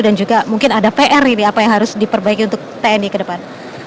dan juga mungkin ada pr ini apa yang harus diperbaiki untuk tni ke depan